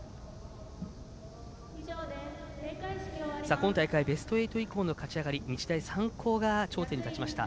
今大会、ベスト８以降の勝ち上がり日大三高が頂点に立ちました。